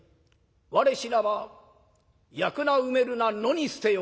『我死なば焼くな埋めるな野に捨てよ。